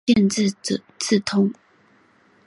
见正字通。